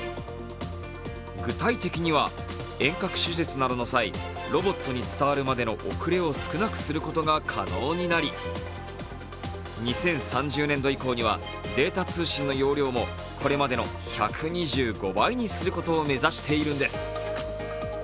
具体的には、遠隔手術などの際、ロボットに伝わるまでの遅れを少なくすることが可能になり、２０３０年度以降には、データ通信の容量をこれまでの１２５倍にすることを目指しているんです。